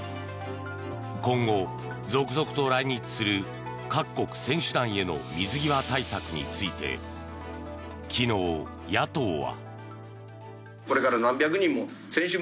今後、続々と来日する各国選手団への水際対策について昨日、野党は。